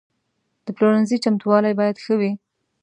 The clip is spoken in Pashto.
د پلورنځي چمتووالی باید ښه وي.